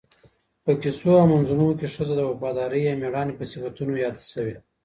په کیسو او منظومو کي ښځه د وفادارۍ او مېړانې په صفتونو یاده سوی